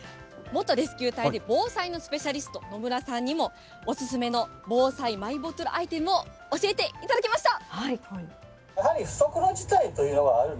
元レスキュー隊で、防災のスペシャリスト、野村さんにもお勧めの防災マイボトルアイテムを教えていただきました。